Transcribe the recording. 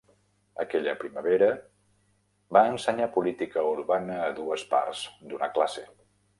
Aquella primavera va ensenyar política urbana a dues parts d'una classe.